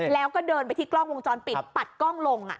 แล้วก็เดินไปที่กล้องวงจรปิดปัดกล้องลง